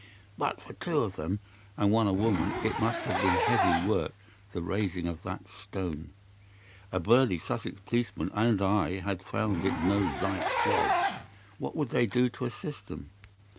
"But for two of them, and one a woman, it must have been heavy work the raising of that stone. A burly Sussex policeman and I had found it no light job. What would they do to assist them?